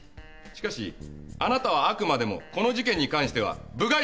しかしあなたはあくまでもこの事件に関しては部外者です。